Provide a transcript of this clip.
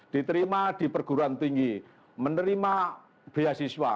diterima di perguruan tinggi menerima beasiswa